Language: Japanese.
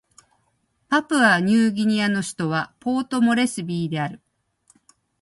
パプアニューギニアの首都はポートモレスビーである